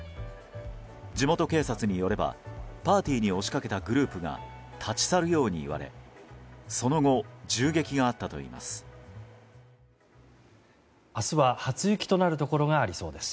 地元警察によれば、パーティーに押し掛けたグループが立ち去るように言われ、その後銃撃があったといいます。